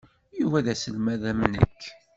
Yuba d aselmad am nekk.